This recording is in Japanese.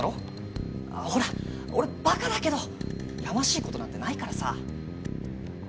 ほら俺馬鹿だけどやましい事なんてないからさ。